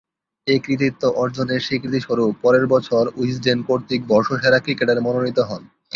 এ কৃতিত্ব অর্জনের স্বীকৃতিস্বরূপ পরের বছর উইজডেন কর্তৃক বর্ষসেরা ক্রিকেটার মনোনীত হন।